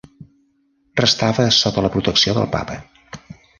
Restava sota la protecció del papa.